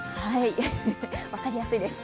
分かりやすいです。